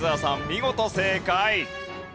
見事正解。